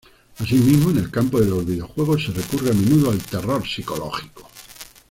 Asimismo, en el campo de los videojuegos se recurre a menudo al terror psicológico.